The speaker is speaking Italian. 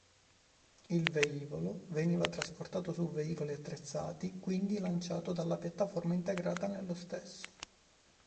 Il velivolo veniva trasportato su veicoli attrezzati quindi lanciato dalla piattaforma integrata nello stesso.